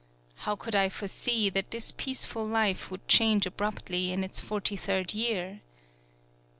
How could I foresee that this peaceful life would change abruptly in its forty third year?